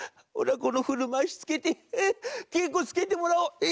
おれはこのふるまわしつけてけいこつけてもらおう。